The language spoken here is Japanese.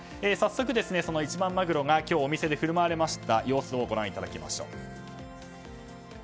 早速、その一番マグロが今日、お店で振る舞われた時の様子をご覧いただきましょう。